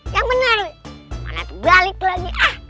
yang benar mana tuh balik lagi